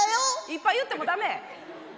いっぱい言っても駄目！